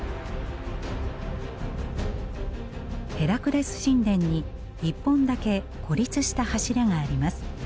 ヘラクレス神殿に一本だけ孤立した柱があります。